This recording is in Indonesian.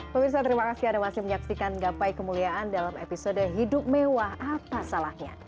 pemirsa terima kasih anda masih menyaksikan gapai kemuliaan dalam episode hidup mewah apa salahnya